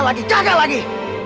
baiklah kau pergi